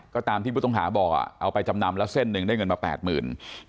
ก็ตามที่ผู้ต้องหาบอกเอาไปจำนำแล้วเส้นหนึ่งได้เงินมา๘๐๐๐บาท